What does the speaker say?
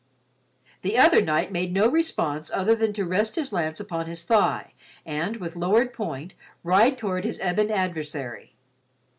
The other knight made no response other than to rest his lance upon his thigh and with lowered point, ride toward his ebon adversary.